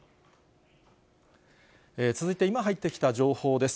続いて、今入ってきた情報です。